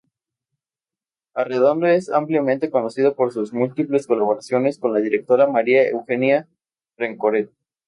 Arredondo es ampliamente conocido por sus múltiples colaboraciones con la directora María Eugenia Rencoret.